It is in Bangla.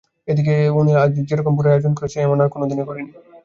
এ দিকে অনিলা আজ যেরকম ভোজের আয়োজন করেছিল এমন আর কোনো দিনই করে নি।